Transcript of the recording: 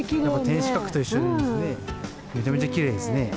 天守閣と一緒に見るとね、めちゃめちゃきれいですね。